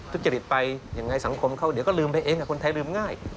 ทุจริตไปยังไงสังคมเขาเดี๋ยวก็ลืมไปเองคนไทยลืมง่าย